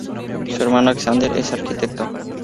Su hermano Alexander es arquitecto.